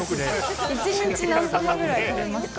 一日何玉くらい食べますか？